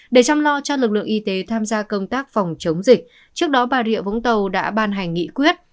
để chăm lo cho lực lượng y tế tham gia công tác phòng chống dịch trước đó bà rịa vũng tàu đã ban hành nghị quyết